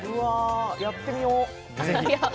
やってみよう。